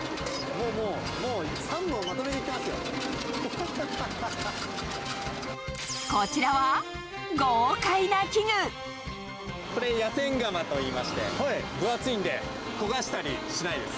もう、もう３こちらは、これ、野戦釜といいまして、分厚いんで、焦がしたりしないです。